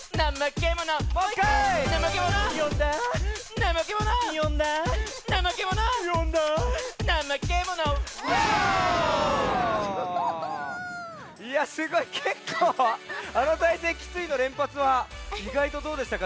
けっこうあのたいせいきついのれんぱつはいがいとどうでしたか？